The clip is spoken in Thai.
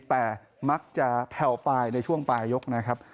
แต่มักจะแผ่วปลายในช่วงปลายยกนะครับ